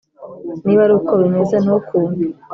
Niba ari uko bimeze ntukumve